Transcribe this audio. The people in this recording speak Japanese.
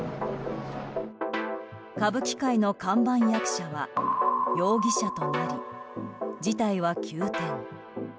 歌舞伎界の看板役者は容疑者となり事態は急転。